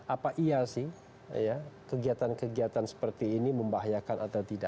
apa iya sih kegiatan kegiatan seperti ini membahayakan atau tidak